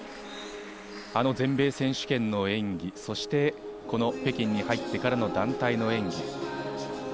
全米選手権の演技、北京に入ってからの団体の演技。